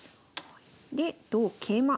で同桂馬。